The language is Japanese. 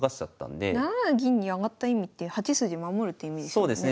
７七銀に上がった意味って８筋守るって意味ですよね？